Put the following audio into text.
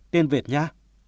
tin việt nha